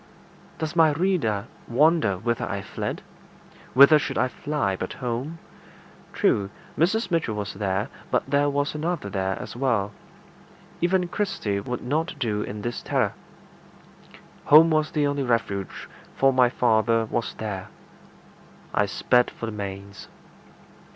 Does my reader wonder whither I fled? Whither should I fly but home? True, Mrs. Mitchell was there, but there was another there as well. Even Kirsty would not do in this terror. Home was the only refuge, for my father was there. I sped for the manse.